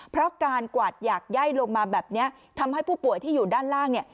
เพราะการกวาดหยากไย่ลงมาแบบนี้ทำให้ผู้ป่วยที่อยู่ด้านล่างเนี่ย